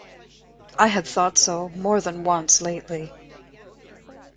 I had thought so more than once lately.